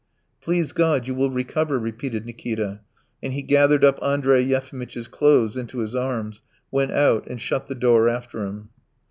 "Please God, you will recover," repeated Nikita, and he gathered up Andrey Yefimitch's clothes into his arms, went out, and shut the door after him.